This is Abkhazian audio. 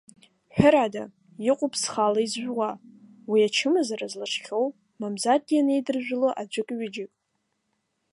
Ҳәарада, иҟоуп зхала изжәуа, уи ачымазара злаҽхьоу, мамзаргьы ианеидыржәыло аӡәык-ҩыџьак.